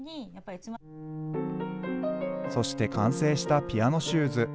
そして完成したピアノシューズ。